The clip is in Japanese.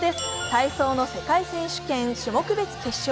体操の世界選手権種目別決勝。